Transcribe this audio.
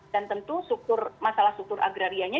dan tentu masalah struktur agrarianya